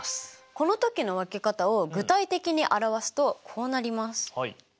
この時の分け方を具体的に表すとこうなります。